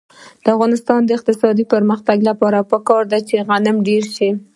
د افغانستان د اقتصادي پرمختګ لپاره پکار ده چې غنم ډېر شي.